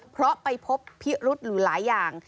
เพราะไปพบพิรุษอยู่หลายอย่าง